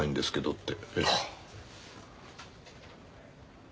って。